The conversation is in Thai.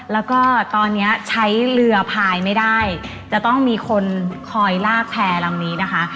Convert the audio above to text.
แล้วก็ตอนนี้ใช้เรือพายไม่ได้จะต้องมีคนคอยลากแพร่ลำนี้นะคะ